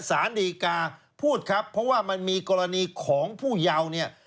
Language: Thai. สารดีกาพูดครับเพราะว่ามันมีกรณีของผู้เยาว์เนี่ย